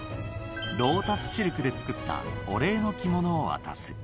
ロータスシルクで作ったお礼の着物を渡す。